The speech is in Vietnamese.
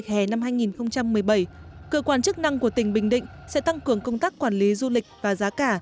hè năm hai nghìn một mươi bảy cơ quan chức năng của tỉnh bình định sẽ tăng cường công tác quản lý du lịch và giá cả